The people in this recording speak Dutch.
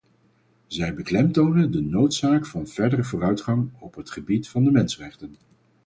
Zij beklemtonen de noodzaak van verdere vooruitgang op het gebied van de mensenrechten.